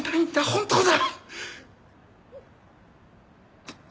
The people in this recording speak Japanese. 本当だ。